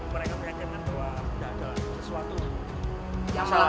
mereka meyakinkan bahwa tidak ada sesuatu yang salah